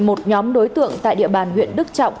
một nhóm đối tượng tại địa bàn huyện đức trọng